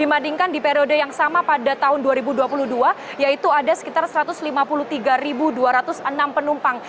dibandingkan di periode yang sama pada tahun dua ribu dua puluh dua yaitu ada sekitar satu ratus lima puluh tiga dua ratus enam penumpang